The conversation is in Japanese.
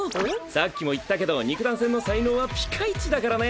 さっきも言ったけど肉弾戦の才能はピカイチだからね。